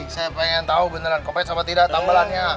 saya pengen tahu beneran covid apa tidak tambelannya